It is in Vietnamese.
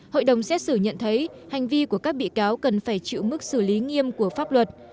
hội đồng xét xử nhận thấy hành vi của các bị cáo cần phải chịu mức xử lý nghiêm của pháp luật